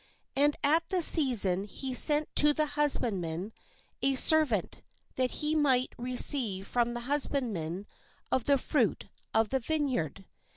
And at the season he sent to the husbandmen a servant, that he might re ceive from the husbandmen of the fruit of the vineyard.